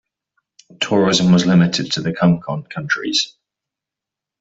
Tourism was limited to the Comecon countries.